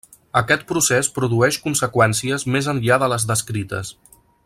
Aquest procés produeix conseqüències més enllà de les descrites.